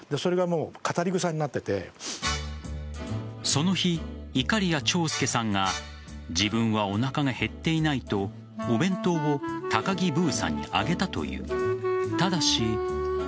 その日、いかりや長介さんが自分はおなかが減っていないとお弁当を高木ブーさんにあげたという。